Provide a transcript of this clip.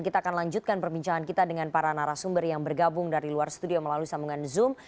kita akan lanjutkan perbincangan kita dengan para narasumber yang bergabung dari luar studio melalui sambungan zoom